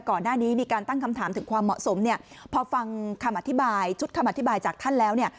ก่อนหน้านี้มีการตั้งคำถามถึงความเหมาะสมพอฟังชุดคำอธิบายจากท่านแล้ว